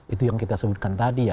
itu yang kita sebutkan tadi ya